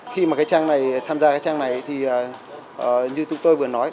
khi mà cái trang này tham gia cái trang này thì như chúng tôi vừa nói